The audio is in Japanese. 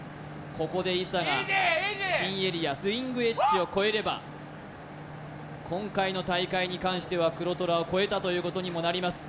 ここで伊佐が新エリアスイングエッジを越えれば今回の大会に関しては黒虎を超えたということにもなります